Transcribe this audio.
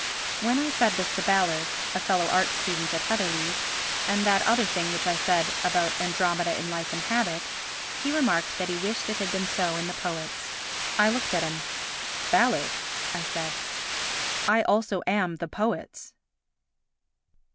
When I said this to Ballard [a fellow art student at Heatherley's] and that other thing which I said about Andromeda in Life and Habit, he remarked that he wished it had been so in the poets. I looked at him. "Ballard," I said, "I also am 'the poets.